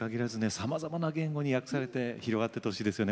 さまざまな言語に訳されて広がってってほしいですよね